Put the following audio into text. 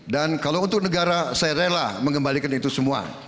dan kalau untuk negara saya rela mengembalikan itu semua